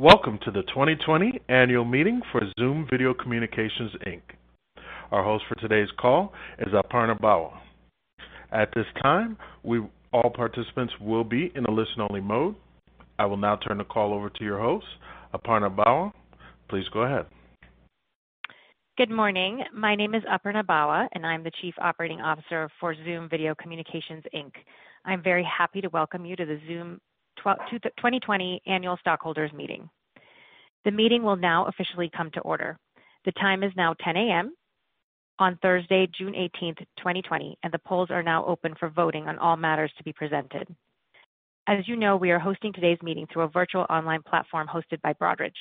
Welcome to the 2020 annual meeting for Zoom Video Communications, Inc. Our host for today's call is Aparna Bawa. At this time, all participants will be in a listen-only mode. I will now turn the call over to your host, Aparna Bawa. Please go ahead. Good morning. My name is Aparna Bawa, and I'm the Chief Operating Officer for Zoom Video Communications, Inc. I'm very happy to welcome you to the Zoom 2020 annual stockholders meeting. The meeting will now officially come to order. The time is now 10:00 A.M. on Thursday, June 18th, 2020, and the polls are now open for voting on all matters to be presented. As you know, we are hosting today's meeting through a virtual online platform hosted by Broadridge.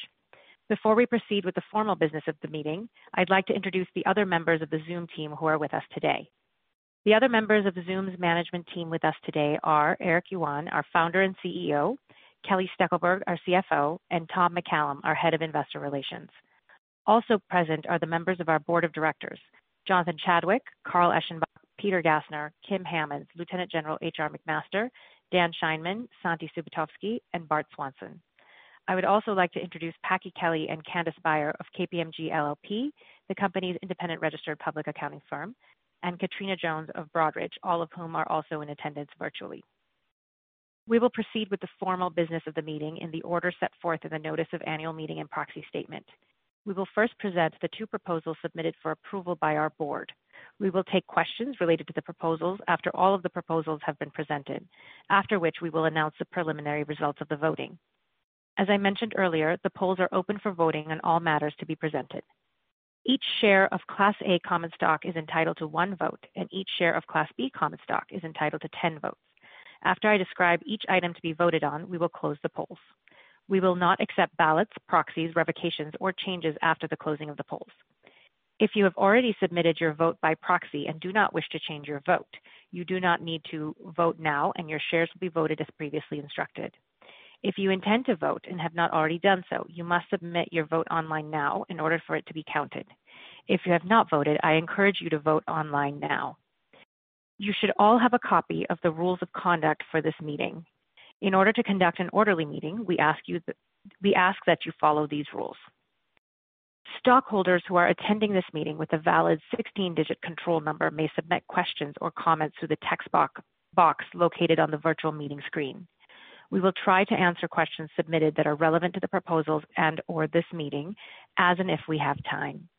Before we proceed with the formal business of the meeting, I'd like to introduce the other members of the Zoom team who are with us today. The other members of Zoom's management team with us today are Eric Yuan, our Founder and CEO, Kelly Steckelberg, our CFO, and Tom McCallum, our Head of Investor Relations. Also present are the members of our board of directors, Jonathan Chadwick, Carl Eschenbach, Peter Gassner, Kim Hammonds, Lieutenant General H.R. McMaster, Dan Scheinman, Santi Subotovsky, and Bart Swanson. I would also like to introduce Packy Kelly and Candace Beyer of KPMG LLP, the company's independent registered public accounting firm, and Katrina Jones of Broadridge, all of whom are also in attendance virtually. We will proceed with the formal business of the meeting in the order set forth in the notice of annual meeting and proxy statement. We will first present the two proposals submitted for approval by our board. We will take questions related to the proposals after all of the proposals have been presented, after which we will announce the preliminary results of the voting. As I mentioned earlier, the polls are open for voting on all matters to be presented. Each share of Class A common stock is entitled to one vote. Each share of Class B common stock is entitled to 10 votes. After I describe each item to be voted on, we will close the polls. We will not accept ballots, proxies, revocations, or changes after the closing of the polls. If you have already submitted your vote by proxy and do not wish to change your vote, you do not need to vote now. Your shares will be voted as previously instructed. If you intend to vote and have not already done so, you must submit your vote online now in order for it to be counted. If you have not voted, I encourage you to vote online now. You should all have a copy of the rules of conduct for this meeting. In order to conduct an orderly meeting, we ask that you follow these rules. Stockholders who are attending this meeting with a valid 16-digit control number may submit questions or comments through the text box located on the virtual meeting screen. We will try to answer questions submitted that are relevant to the proposals and/or this meeting, as and if we have time.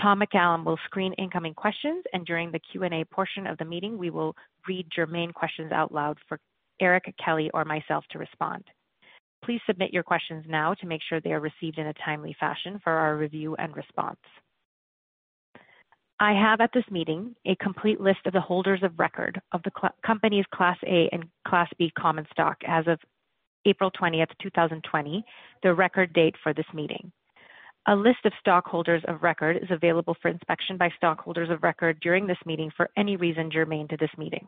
Tom McCallum will screen incoming questions, and during the Q&A portion of the meeting, we will read your main questions out loud for Eric, Kelly, or myself to respond. Please submit your questions now to make sure they are received in a timely fashion for our review and response. I have at this meeting a complete list of the holders of record of the company's Class A and Class B common stock as of April 20, 2020, the record date for this meeting. A list of stockholders of record is available for inspection by stockholders of record during this meeting for any reason germane to this meeting.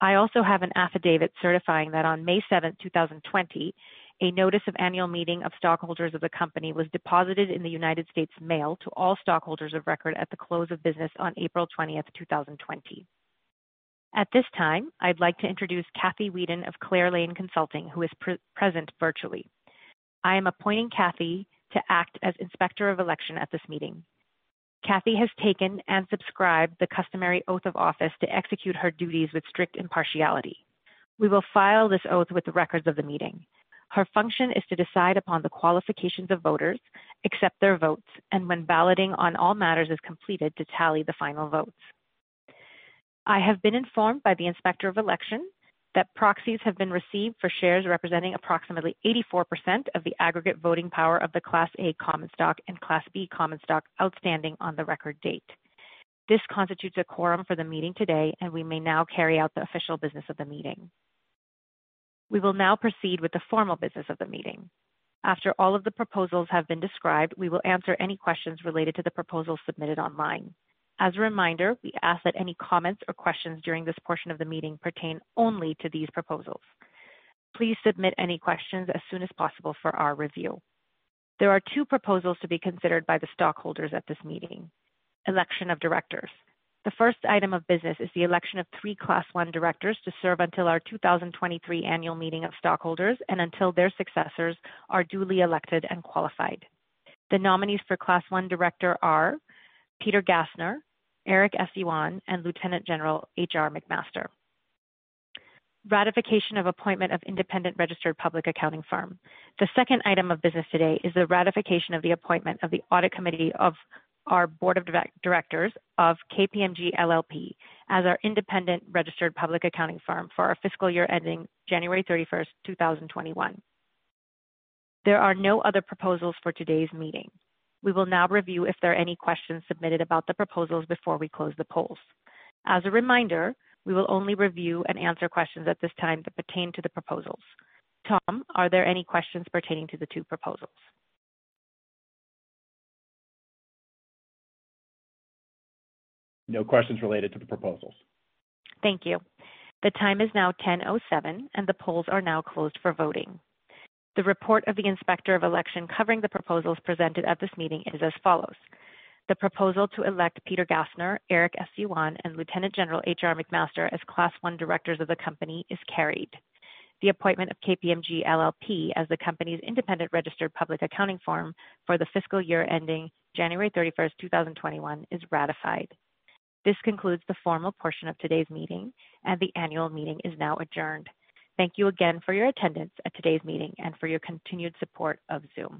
I also have an affidavit certifying that on May 7, 2020, a notice of annual meeting of stockholders of the company was deposited in the U.S. mail to all stockholders of record at the close of business on April 20, 2020. At this time, I'd like to introduce Kathy Weeden of Clear Lane Consulting, who is present virtually. I am appointing Kathy to act as Inspector of Election at this meeting. Kathy has taken and subscribed the customary oath of office to execute her duties with strict impartiality. We will file this oath with the records of the meeting. Her function is to decide upon the qualifications of voters, accept their votes, and when balloting on all matters is completed, to tally the final votes. I have been informed by the Inspector of Election that proxies have been received for shares representing approximately 84% of the aggregate voting power of the Class A common stock and Class B common stock outstanding on the record date. This constitutes a quorum for the meeting today, and we may now carry out the official business of the meeting. We will now proceed with the formal business of the meeting. After all of the proposals have been described, we will answer any questions related to the proposals submitted online. As a reminder, we ask that any comments or questions during this portion of the meeting pertain only to these proposals. Please submit any questions as soon as possible for our review. There are two proposals to be considered by the stockholders at this meeting. Election of directors. The first item of business is the election of three Class I directors to serve until our 2023 annual meeting of stockholders and until their successors are duly elected and qualified. The nominees for Class I director are Peter Gassner, Eric S. Yuan, and Lieutenant General H.R. McMaster. Ratification of appointment of independent registered public accounting firm. The second item of business today is the ratification of the appointment of the audit committee of our board of directors of KPMG LLP as our independent registered public accounting firm for our fiscal year ending January 31, 2021. There are no other proposals for today's meeting. We will now review if there are any questions submitted about the proposals before we close the polls. As a reminder, we will only review and answer questions at this time that pertain to the proposals. Tom, are there any questions pertaining to the two proposals? No questions related to the proposals. Thank you. The time is now 10:07, and the polls are now closed for voting. The report of the Inspector of Election covering the proposals presented at this meeting is as follows: The proposal to elect Peter Gassner, Eric S. Yuan, and Lieutenant General H.R. McMaster as Class I directors of the company is carried. The appointment of KPMG LLP as the company's independent registered public accounting firm for the fiscal year ending January 31, 2021, is ratified. This concludes the formal portion of today's meeting and the annual meeting is now adjourned. Thank you again for your attendance at today's meeting and for your continued support of Zoom.